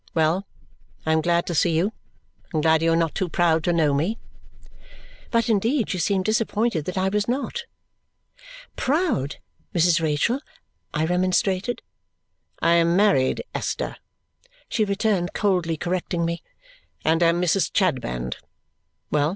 Well! I am glad to see you, and glad you are not too proud to know me." But indeed she seemed disappointed that I was not. "Proud, Mrs. Rachael!" I remonstrated. "I am married, Esther," she returned, coldly correcting me, "and am Mrs. Chadband. Well!